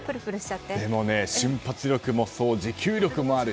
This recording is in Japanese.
でも、瞬発力も持久力もある。